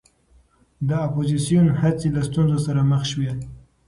د اپوزېسیون هڅې له ستونزو سره مخ شوې.